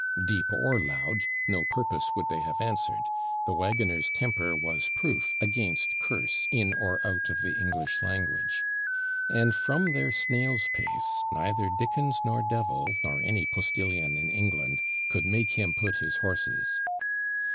Deep or loud, no purpose would they have answered; the waggoner's temper was proof against curse in or out of the English language; and from their snail's pace neither DICKENS nor devil, nor any postillion in England, could make him put his horses.